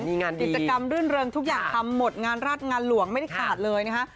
กิจกรรมรื่นเริงทุกอย่างทำหมดงานราชงานหลวงไม่ได้ขาดเลยนะคะ